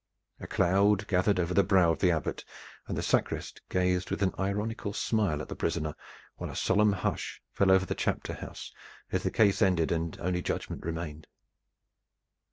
A cloud gathered over the brow of the Abbot, and the sacrist gazed with an ironical smile at the prisoner, while a solemn hush fell over the chapter house as the case ended and only, judgment remained.